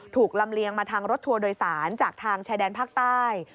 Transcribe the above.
ลำเลียงมาทางรถทัวร์โดยสารจากทางชายแดนภาคใต้